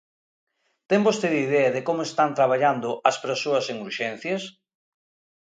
¿Ten vostede idea de como están traballando as persoas en urxencias?